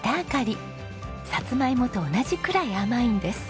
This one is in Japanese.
さつまいもと同じくらい甘いんです。